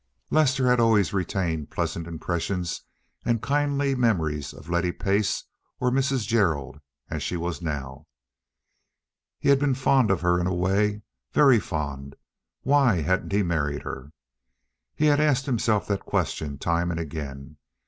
Lester had always retained pleasant impressions and kindly memories of Letty Pace, or Mrs. Gerald, as she was now. He had been fond of her in a way, very fond. Why hadn't he married her? He had asked himself that question time and again.